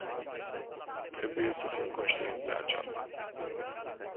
Trebuie să fim conștienți de aceasta.